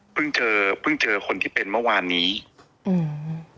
เจอเพิ่งเจอคนที่เป็นเมื่อวานนี้อืม